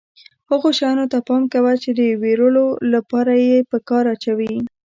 هغو شیانو ته پام کوه چې د وېرولو لپاره یې په کار اچوي.